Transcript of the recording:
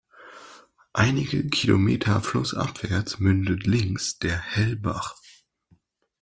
Einige Kilometer flussabwärts mündet links der "Hellbach".